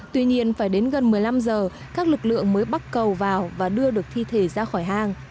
tuy nhiên phải đến gần một mươi năm giờ các lực lượng mới bắt cầu vào và đưa được thi thể ra khỏi hang